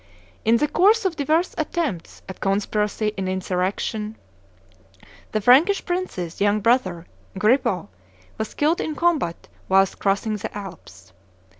In the course of divers attempts at conspiracy and insurrection, the Frankish princes' young brother, Grippo, was killed in combat whilst crossing the Alps.